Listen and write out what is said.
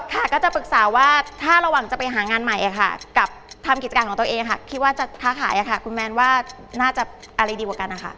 ค่ะก็จะปรึกษาว่าถ้าระหว่างจะไปหางานใหม่กับทำกิจการของตัวเองค่ะคิดว่าจะค้าขายคุณแมนว่าน่าจะอะไรดีกว่ากันนะคะ